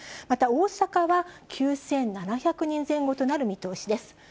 また、大阪は９７００人前後となる見通しです。